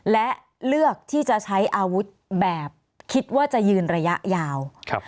และเลือกที่จะใช้อาวุธแบบคิดว่าจะยืนระยะยาว